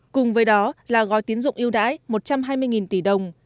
cùng với đó là gói tiến dụng yêu đái một trăm hai mươi tỷ đồng